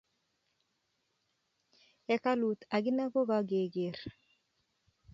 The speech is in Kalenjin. hekalut akine ko kakekeer